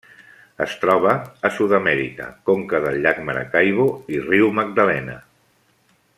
Es troba a Sud-amèrica: conca del llac Maracaibo i riu Magdalena.